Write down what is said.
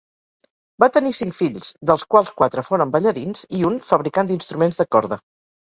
Va tenir cinc fills, dels quals quatre foren ballarins i un fabricant d'instruments de corda.